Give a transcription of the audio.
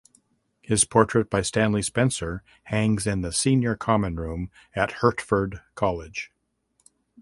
His portrait by Stanley Spencer hangs in the Senior Common Room at Hertford College.